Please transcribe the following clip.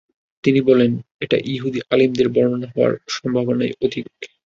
তিনি বলেন, এটা ইহুদী আলিমদের বর্ণনা হওয়ার সম্ভাবনাই অধিক।